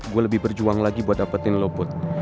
gue lebih berjuang lagi buat dapetin lo put